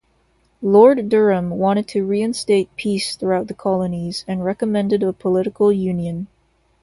Lord Durham wanted to re-instate peace throughout the colonies, and recommended a political union.